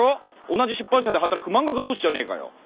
同じ出版社で働く漫画家同士じゃあねーかよ。